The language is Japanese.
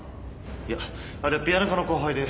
いやあれはピアノ科の後輩で。